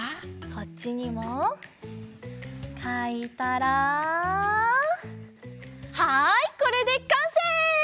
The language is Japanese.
こっちにもかいたらはいこれでかんせい！